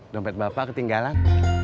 dompet bapak ketinggalan